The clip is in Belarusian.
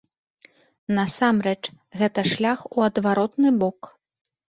Насамрэч, гэта шлях у адваротны бок.